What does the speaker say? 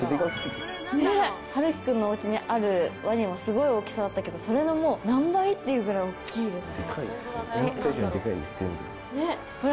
晴輝君のお家にあるワニもすごい大きさだったけどそれの何倍？っていうぐらい大っきいですね。